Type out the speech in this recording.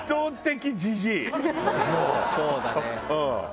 そうだね。